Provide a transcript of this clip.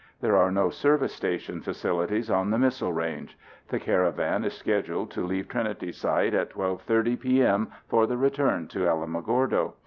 There are no service station facilities on the missile range. The caravan is scheduled to leave Trinity Site at 12:30 p.m. for the return to Alamogordo.